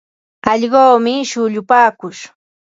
Allquumi shullupaakush.